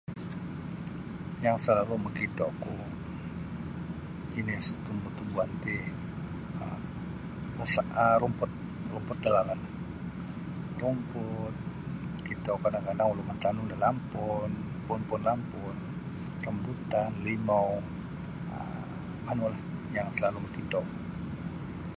Yang salalu makito ku jenis tumbuh-tumbuan ti aru rumput da lalan rumput makito ku kadang-kadang ulun mantanum da lampun puun-puun lampun rambutan limau um manulah yang salalu makito.